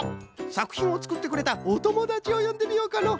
さくひんをつくってくれたおともだちをよんでみようかの。